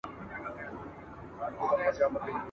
مور او پلار چي زاړه سي تر شکرو لا خواږه سي !.